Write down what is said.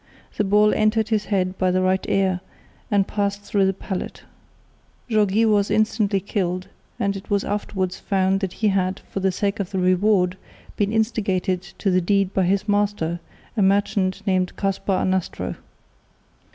The ball entered the head by the right ear and passed through the palate. Jaureguy was instantly killed and it was afterwards found that he had, for the sake of the reward, been instigated to the deed by his master, a merchant named Caspar Anastro.